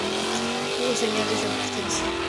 Hubo señales de advertencia.